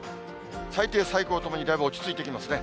最低、最高ともにだいぶ落ち着いてきますね。